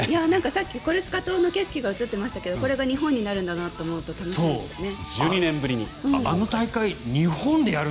さっきコルシカ島の風景が映ってましたがこれが日本になるんだなと思うと楽しみですね。